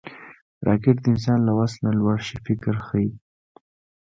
راکټ د انسان له وس نه لوړ فکر ښيي